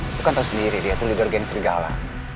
lo kan tau sendiri dia tuh leader geng serigala